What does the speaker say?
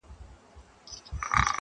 • سر مي جار له یاره ښه خو ټیټ دي نه وي,